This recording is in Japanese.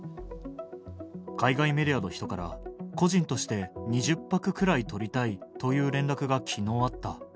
海外メディアの人から、個人として２０泊くらい取りたいという連絡がきのうあった。